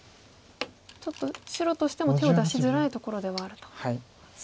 ちょっと白としても手を出しづらいところではあると。